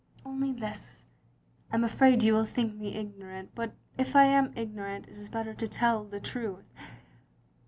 " "Only this: I am afraid you will think me ignorant, but if I aw ignorant, it is better to tell the truth.